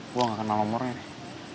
gue gak kenal nomernya